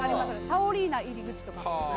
サオリーナ入口とか」